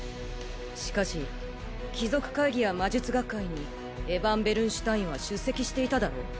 しかし貴族会議や魔術学会にエヴァン＝ベルンシュタインは出席していただろう